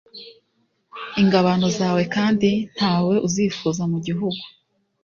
ingabano zawe kandi nta we uzifuza mu gihugu